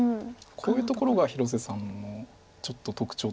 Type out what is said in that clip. こういうところが広瀬さんのちょっと特徴といいますか。